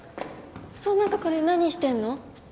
そんなとこで何してんの？